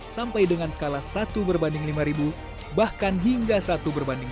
sampai dengan skala satu berbanding lima bahkan hingga satu berbanding